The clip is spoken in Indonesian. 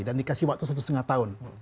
dikasih waktu satu setengah tahun